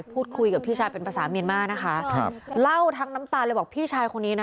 พูดคุยกับพี่ชายเป็นภาษาเมียนมานะคะครับเล่าทั้งน้ำตาเลยบอกพี่ชายคนนี้นะ